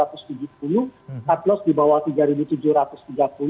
tartlos di bawah rp tiga tujuh ratus tiga puluh